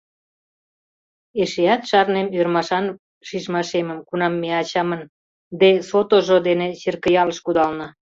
Эшеат шарнем ӧрмашан шижмашемым, кунам ме ачамын «Де Сотожо» дене черкыялыш кудална.